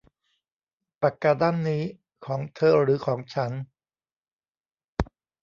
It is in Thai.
ปากกาด้ามนี้ของเธอหรือของฉัน